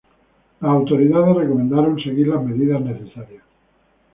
Las autoridades recomendaron seguir las medidas necesarias.